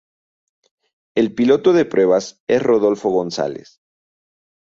El piloto de pruebas es Rodolfo González.